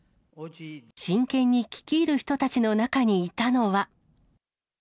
真剣に聞き入る人たちの中にいたのは。